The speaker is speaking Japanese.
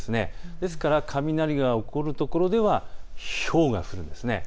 ですから雷が起こるところではひょうが降るんです。